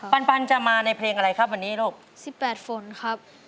ปันปันจะมาในเพลงอะไรครับวันนี้ลูกสิบแปดฝนครับ